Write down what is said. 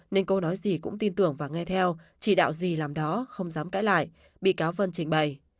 nên cô nói gì cũng tin tưởng và nghe theo chỉ đạo gì làm đó không dám cãi lại bị cáo vân trình bày